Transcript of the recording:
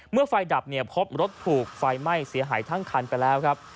ไฟดับเนี่ยพบรถถูกไฟไหม้เสียหายทั้งคันไปแล้วครับ